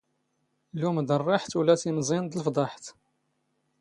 ⵍⵓⵎ ⴷ ⵔⵔⴰⵃⵜ ⵓⵍⴰ ⵜⵉⵎⵥⵉⵏ ⴷ ⵍⴼⴹⴰⵃⵜ